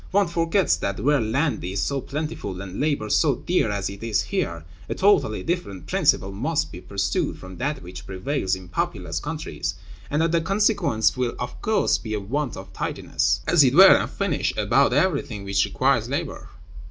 One forgets that, where land is so plentiful and labor so dear as it is here, a totally different principle must be pursued from that which prevails in populous countries, and that the consequence will of course be a want of tidiness, as it were, and finish, about everything which requires labor."